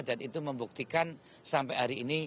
dan itu membuktikan sampai hari ini